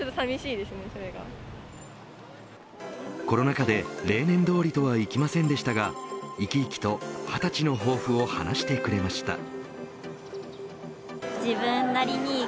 コロナ禍で例年通りとはいきませんでしたが生き生きと２０歳の抱負を話してくれました。